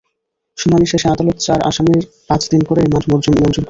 শুনানি শেষে আদালত চার আসামির পাঁচ দিন করে রিমান্ড মঞ্জুর করেন।